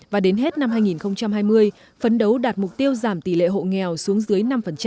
và đến hết năm hai nghìn hai mươi phấn đấu đạt mục tiêu giảm tỷ lệ hộ nghèo xuống dưới năm